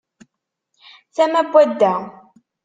Tama n wadda.